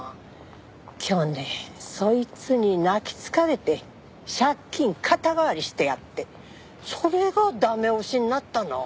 去年そいつに泣きつかれて借金肩代わりしてやってそれが駄目押しになったの。